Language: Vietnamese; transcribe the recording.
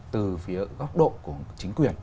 từ phía góc độ của chính quyền